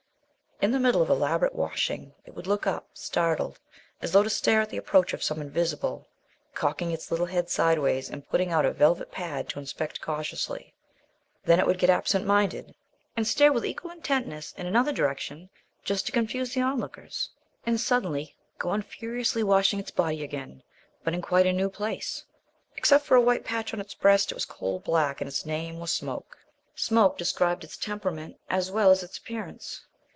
In the middle of elaborate washing it would look up, startled, as though to stare at the approach of some Invisible, cocking its little head sideways and putting out a velvet pad to inspect cautiously. Then it would get absent minded, and stare with equal intentness in another direction (just to confuse the onlookers), and suddenly go on furiously washing its body again, but in quite a new place. Except for a white patch on its breast it was coal black. And its name was Smoke. "Smoke" described its temperament as well as its appearance.